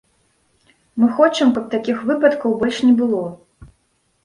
Мы хочам, каб такіх выпадкаў больш не было.